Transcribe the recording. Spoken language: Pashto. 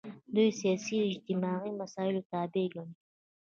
دوی سیاست د اجتماعي مسایلو تابع ګڼي.